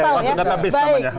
harus tahu ya